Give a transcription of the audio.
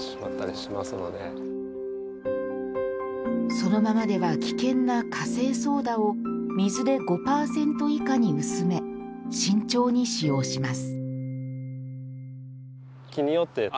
そのままでは危険なカセイソーダを水で５％以下に薄め慎重に使用します。